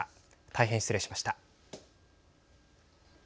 大変、失礼しました。